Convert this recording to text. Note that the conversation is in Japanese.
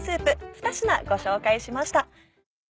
２品ご紹介しました。